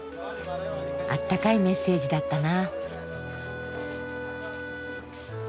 あったかいメッセージだったな。